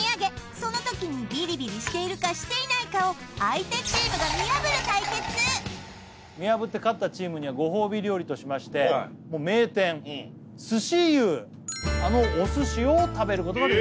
その時にビリビリしているかしていないかを相手チームが見破る対決見破って勝ったチームにはご褒美料理としましてもう名店鮨由うあのお寿司を食べることができます